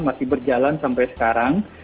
masih berjalan sampai sekarang